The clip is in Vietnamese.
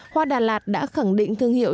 hoa đà lạt đã khẳng định thương hiệu